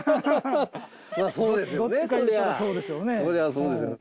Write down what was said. そうですよね